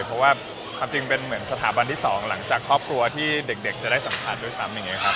เพราะว่าความจริงเป็นเหมือนสถาบันที่๒หลังจากครอบครัวที่เด็กจะได้สัมผัสด้วยซ้ำอย่างนี้ครับ